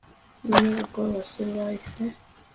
nyine ubwo abasore bahise